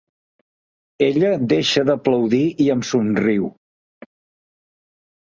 Ella deixa d'aplaudir i em somriu.